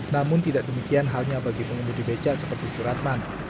namun tidak demikian halnya bagi pengemudi beca seperti suratman